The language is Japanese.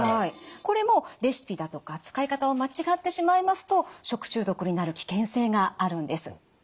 これもレシピだとか使い方を間違ってしまいますと食中毒になる危険性があるんです。